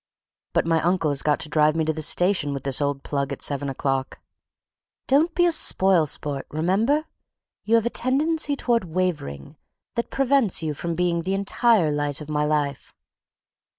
"But my uncle has got to drive me to the station with this old plug at seven o'clock." "Don't be a spoil sport—remember, you have a tendency toward wavering that prevents you from being the entire light of my life."